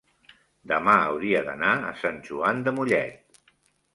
demà hauria d'anar a Sant Joan de Mollet.